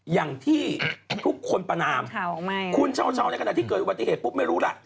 อย่างที่ทุกคนประนาม